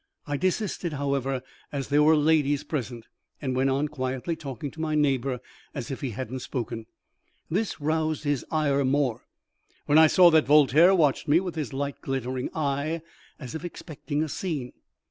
I desisted, however, as there were ladies present, and went on quietly talking to my neighbour as if he hadn't spoken. This roused his ire more, while I saw that Voltaire watched me with his light glittering eye, as if expecting a scene.